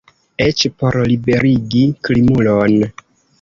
Eĉ por liberigi krimulon!